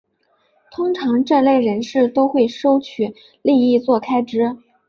通常这类人士都会收取利益作开支。